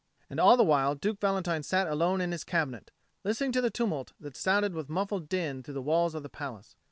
And all the while Duke Valentine sat alone in his cabinet, listening to the tumult that sounded with muffled din through the walls of the palace.